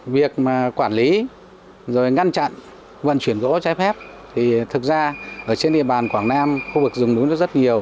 việc mà quản lý rồi ngăn chặn vận chuyển gỗ trái phép thì thực ra ở trên địa bàn quảng nam khu vực rừng núi nó rất nhiều